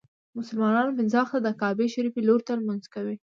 مسلمانان پنځه وخته د کعبې شريفي لوري ته لمونځ کوي.